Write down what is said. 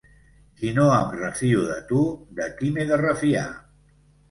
Si no em refio de tu, de qui m'he de refiar?